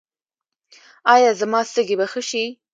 ایا زما سږي به ښه شي؟